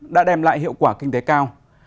đã đem lại hiệu quả kinh tế cao